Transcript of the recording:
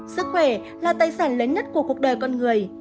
sức khỏe là tài sản lớn nhất của cuộc đời con người